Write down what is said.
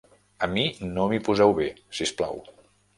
A mi no m'hi poseu bé, si us plau.